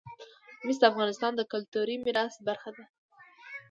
مس د افغانستان د کلتوري میراث برخه ده.